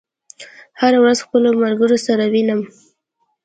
هره ورځ خپلو ملګرو سره وینم